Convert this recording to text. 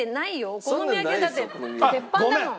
お好み焼き屋だって鉄板だもん。